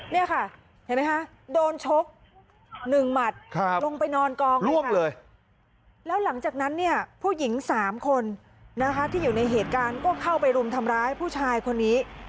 เนี่ยค่ะเห็นไหมคะโดนชก๑หมัดลงไปนอนกองล่วงเลยแล้วหลังจากนั้นเนี่ยผู้หญิง๓คนนะคะที่อยู่ในเหตุการณ์ก็เข้าไปรุมทำร้ายผู้ชายคนนี้